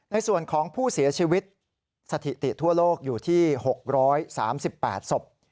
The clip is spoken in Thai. ในส่วนของผู้เสียชีวิตสถิติทั่วโลกอยู่ที่๖๓๘ศพ